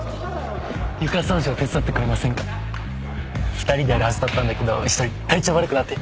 ２人でやるはずだったんだけど１人体調悪くなって。